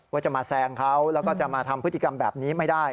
ว่าจะมาแซงเขาแล้วก็จะมาทำพฤติกรรมแบบนี้ไม่ได้